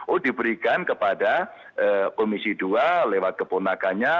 oh diberikan kepada komisi dua lewat keponakannya